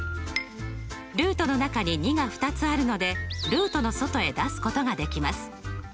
ルートの中に２が２つあるのでルートの外へ出すことができます。